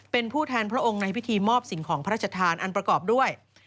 เป็นผู้แทนพระองค์ในพิธีมอบสิ่งของพระราชทานอันประกอบด้วย